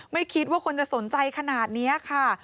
ไม่คิดว่าคนจะสนใจขนาดนี้ค่ะ